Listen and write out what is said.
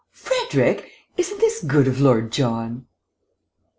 Frederick, isn't this good of Lord John...."